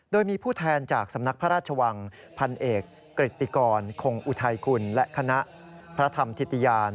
โดยมีผู้แทนจากสำนักพระราชวังพันเอกกฤติกรคงอุทัยกุลและคณะพระธรรมธิติยาน